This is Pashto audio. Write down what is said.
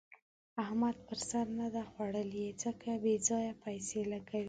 احمد پر سر نه ده خوړلې؛ ځکه بې ځايه پيسې لګوي.